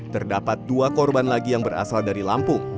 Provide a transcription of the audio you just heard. terdapat dua korban lagi yang berasal dari lampung